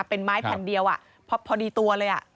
เป็นไม้แผ่นเดียวพอดีตัวเลย